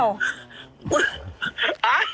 ด้วย